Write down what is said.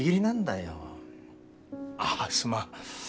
ああすまん。